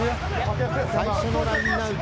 最初のラインアウト。